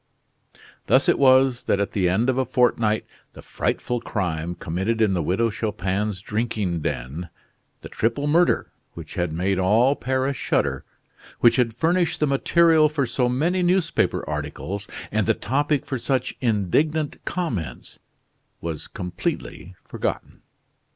Thus it was that at the end of a fortnight the frightful crime committed in the Widow Chupin's drinking den, the triple murder which had made all Paris shudder, which had furnished the material for so many newspaper articles, and the topic for such indignant comments, was completely forgotten.